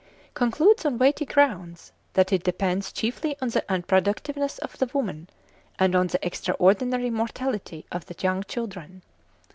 concludes on weighty grounds that it depends chiefly on the unproductiveness of the women, and on the extraordinary mortality of the young children (pp.